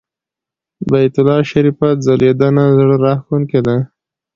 د بیت الله شریفه ځلېدنه زړه راښکونکې ده.